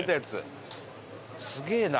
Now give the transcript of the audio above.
すげえな。